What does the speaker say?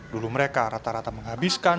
dulu mereka rata rata menghabiskan